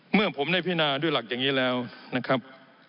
เมื่อผมได้พินาด้วยหลักอย่างนี้แล้วนะครับ